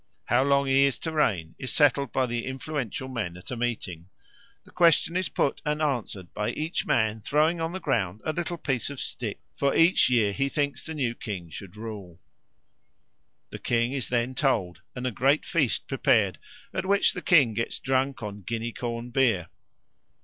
How long he is to reign is settled by the influential men at a meeting; the question is put and answered by each man throwing on the ground a little piece of stick for each year he thinks the new king should rule. The king is then told, and a great feast prepared, at which the king gets drunk on guinea corn beer.